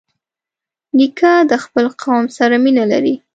نیکه د خپل قوم سره مینه لري.